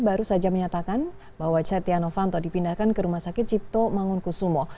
baru saja menyatakan bahwa setia novanto dipindahkan ke rumah sakit cipto mangunkusumo